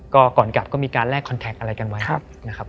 ก็ก่อนกลับก็มีการแลกคอนแท็กอะไรกันไว้นะครับ